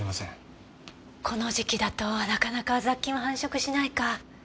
この時期だとなかなか雑菌は繁殖しないか。